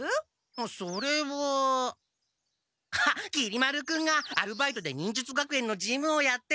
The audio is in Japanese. あっそれはきり丸君がアルバイトで忍術学園の事務をやってよ！